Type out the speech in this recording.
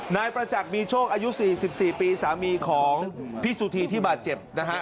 นายประจักษ์มีโชคอายุ๔๔ปีสามีของพี่สุธีที่บาดเจ็บนะฮะ